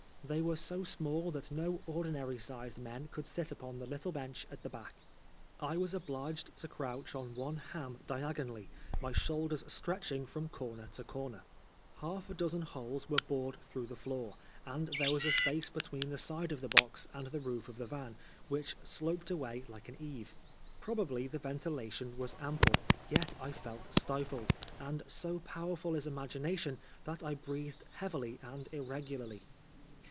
They were so small that no ordinary sized man could sit upon the little bench at the back. I was obliged to crouch on one ham diagonally, my shoulders stretching from^ comer to comer. Half a dozen holes were bored through the floor, and there was a space between the side of the: box and the roof of the van, which sloped away like an eave. Probably the ventilation was ample, yet I felt stifled, and so powerful is imagination that I breathed heavily and irregularly.